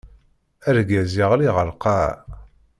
Argaz yeɣli ar lqaɛa.